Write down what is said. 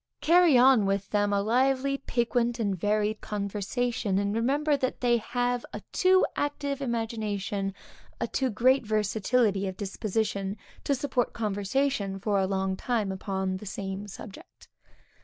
Carry on with them a lively, piquant and varied conversation; and remember that they have a too active imagination, a too great versatility of disposition, to support conversation for a long time upon the same subject.